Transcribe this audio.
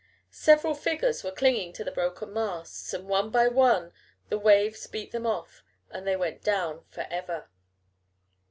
Several figures were clinging to the broken masts, and one by one the waves beat them off, and they went down for ever.